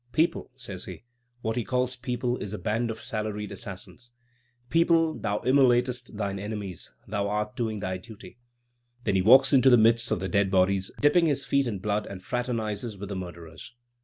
"People," says he what he calls people is a band of salaried assassins "people, thou immolatest thine enemies, thou art doing thy duty." Then he walks into the midst of the dead bodies, dipping his feet in blood, and fraternizes with the murderers.